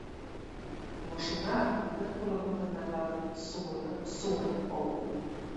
Машина бер кулының тырнакларын суырып-суырып алды.